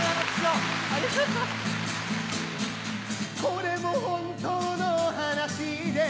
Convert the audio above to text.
これも本当の話で